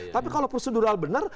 tapi kalau prosedural benar